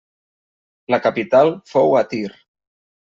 La capital fou a Tir.